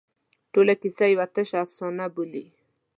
ټوله کیسه یوه تشه افسانه بولي.